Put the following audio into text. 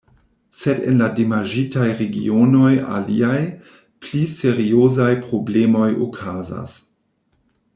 Sed en la damaĝitaj regionoj aliaj, pli seriozaj problemoj okazas.